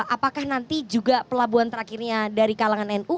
apakah nanti juga pelabuhan terakhirnya dari kalangan nu